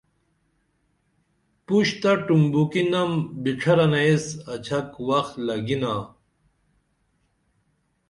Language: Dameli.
پُشتہ ٹمبوکی نم بِڇھرانہ ایس اڇھک وخ لگِنا